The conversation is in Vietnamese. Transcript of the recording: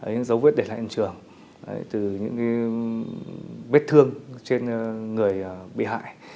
dấu vết để lại trên trường từ những vết thương trên người bị hại